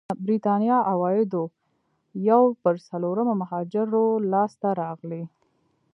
برېتانيا عوايدو یو پر څلورمه مهاجرو لاسته راغلي.